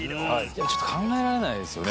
ちょっと考えられないですよね